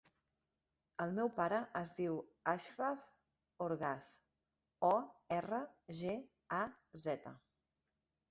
El meu pare es diu Achraf Orgaz: o, erra, ge, a, zeta.